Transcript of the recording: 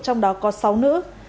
trong đó có sáu nữ